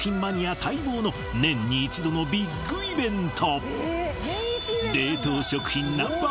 待望の年に一度のビッグイベント